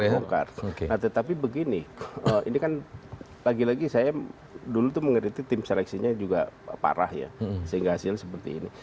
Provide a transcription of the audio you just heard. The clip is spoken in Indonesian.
nah tetapi begini ini kan lagi lagi saya dulu tuh mengerti tim seleksinya juga parah ya sehingga hasilnya seperti ini